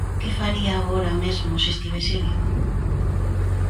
Que faría agora mesmo se estivese vivo?